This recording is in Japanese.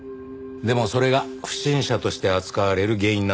でもそれが不審者として扱われる原因になったようです。